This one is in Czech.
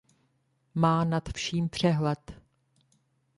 Má nad vším přehled.